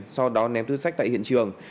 sau đó ném túi sách tại hiện trường